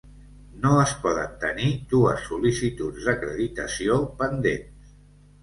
No es poden tenir dues sol·licituds d'acreditació pendents.